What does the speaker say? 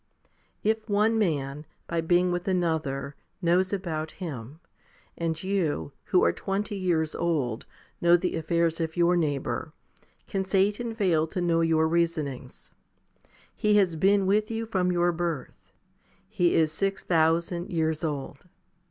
If one man, by being with another, knows about him, and you, who are twenty years old, know the affairs of your neighbour, can Satan fail to know your reasonings ? He has been with you from your birth. He is six thousand years old.